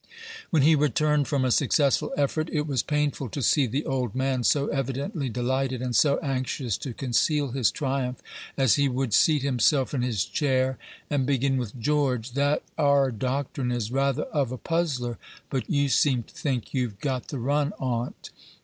When he returned from a successful effort, it was painful to see the old man, so evidently delighted, and so anxious to conceal his triumph, as he would seat himself in his chair, and begin with, "George, that 'are doctrine is rather of a puzzler; but you seem to think you've got the run on't.